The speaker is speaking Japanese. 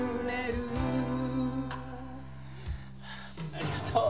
ありがとう。